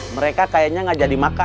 mereka kayaknya gak jadi makan